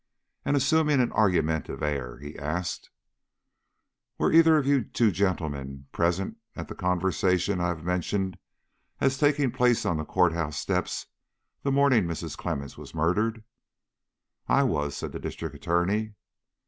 And assuming an argumentative air, he asked: "Were either of you two gentlemen present at the conversation I have mentioned as taking place on the court house steps the morning Mrs. Clemmens was murdered?" "I was," said the District Attorney.